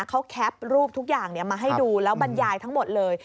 เขาแคปรูปทุกอย่างมาให้ดูแล้วบรรยายทั้งหมดเลย